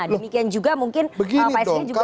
demikian juga mungkin psd juga